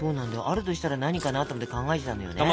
あるとしたら何かなと思って考えてたんだよね。